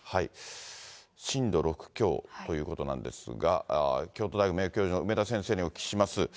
震度６強ということなんですが、京都大学名誉教授の梅田先生にお聞きします。